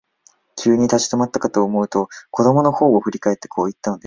急に立ち止まったかと思うと、子供のほうを振り返って、こう言ったのです。